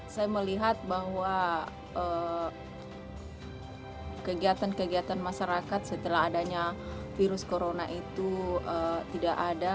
saya melihat bahwa kegiatan kegiatan masyarakat setelah adanya virus corona itu tidak ada